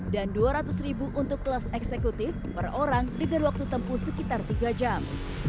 dan dua ratus ribu untuk kelas eksekutif per orang dengan waktu tempuh sekitar tiga jam